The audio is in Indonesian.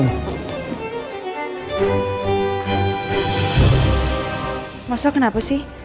mas masal kenapa sih